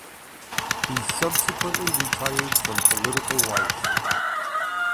He subsequently retired from political life.